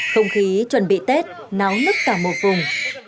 không khí chuẩn bị tết náo nức cả một vùng